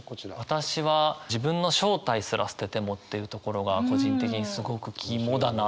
私は「自分の正体すら捨てても」っていうところが個人的にすごく肝だなと思っていて。